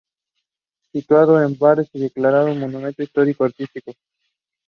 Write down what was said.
The couple went to live in Vught.